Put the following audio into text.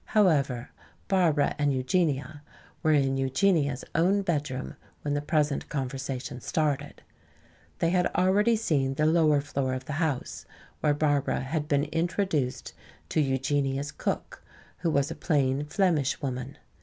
However, Barbara and Eugenia were in Eugenia's own bedroom when the present conversation started. They had already seen the lower floor of the house, where Barbara had been introduced to Eugenia's cook, who was a plain Flemish woman.